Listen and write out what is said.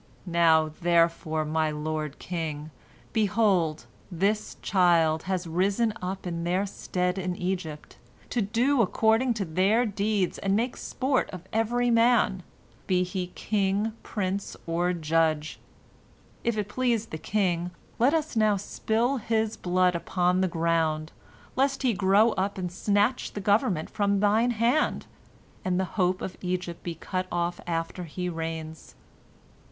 "Now, therefore, my lord king, behold, this child has risen up in their stead in Egypt, to do according to their deeds and make sport of every man, be he king, prince, or judge. If it please the king, let us now spill his blood upon the ground, lest he grow up and snatch the government from thine hand, and the hope of Egypt be cut off after he reigns.